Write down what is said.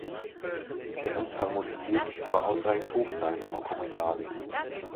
Er muss harmonisiert, aber ausreichend hoch sein, Frau Kommissarin.